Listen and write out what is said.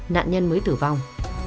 nạn nhân mới tử vong